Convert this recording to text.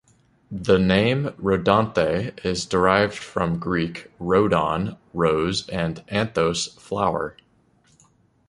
The name "Rhodanthe" is derived from Greek "rhodon", rose and "anthos", flower.